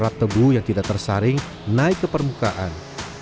alat tebu yang tidak tersaring naik ke permukaan